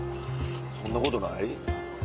そんなことない？